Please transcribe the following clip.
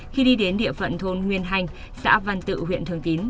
khi đi đến địa phận thôn nguyên hanh xã văn tự huyện thường tín